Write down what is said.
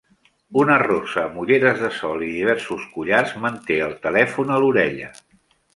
Una rossa amb ulleres de sol i diversos collars manté el telèfon a l'orella.